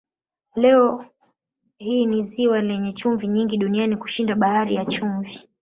Leo hii ni ziwa lenye chumvi nyingi duniani kushinda Bahari ya Chumvi.